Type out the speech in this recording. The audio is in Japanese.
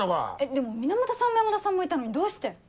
でも源さんも山田さんもいたのにどうして。